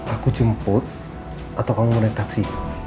aku jemput atau kamu mau naik taksi